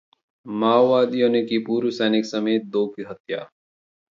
माओवादियों ने की पूर्व सैनिक समेत दो की हत्या